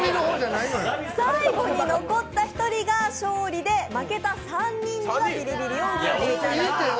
最後に残った１人が勝利で負けた３人にはビリビリを受けていただきます。